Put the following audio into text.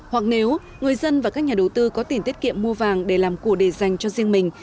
hoặc nếu người dân và các nhà đầu tư có tiền tiết kiệm mua vàng để làm của để dành cho riêng mình